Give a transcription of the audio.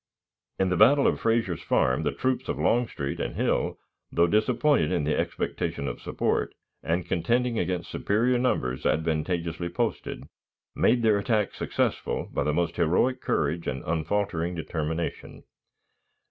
In the battle of Frazier's Farm the troops of Longstreet and Hill, though disappointed in the expectation of support, and contending against superior numbers advantageously posted, made their attack successful by the most heroic courage and unfaltering determination.